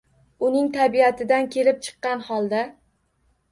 Uning tabiatidan kelib chiqqan holda